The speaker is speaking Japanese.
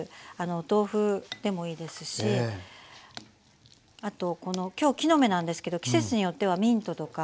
お豆腐でもいいですしあと今日木の芽なんですけど季節によってはミントとか。